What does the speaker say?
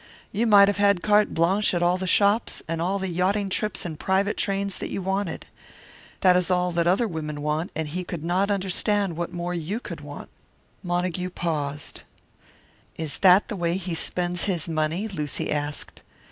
You might have had carte blanche at all the shops, and all the yachting trips and private trains that you wanted. That is all that other women want, and he could not understand what more you could want." Montague paused. "Is that the way he spends his money?" Lucy asked.